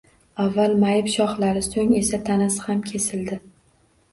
Avval mayib shoxlari, so’ng esa tanasi ham kesildi.